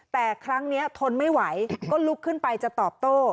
แต่ครั้งนี้ทนไม่ไหวก็ลุกขึ้นไปจะตอบโต้